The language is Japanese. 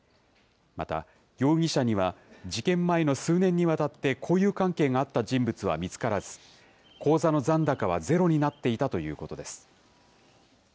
また容疑者には、事件前の数年にわたって交友関係があった人物は見つからず、口座の残高はゼロになっていたということです。